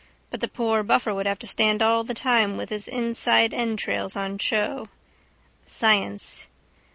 But the poor buffer would have to stand all the time with his insides entrails on show. Science.